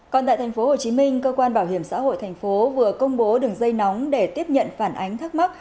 còn tại tp hcm cơ quan bảo hiểm xã hội thành phố vừa công bố đường dây nóng để tiếp nhận phản ánh thắc mắc